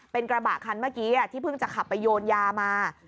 เป็นกระบะคันเมื่อกี้ที่เพิ่งจะขับไปโยนยามา